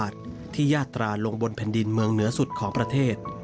ที่ยาตราลงบนแผ่นดินเมืองเหนือสุดของประเทศ